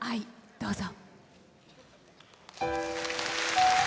どうぞ。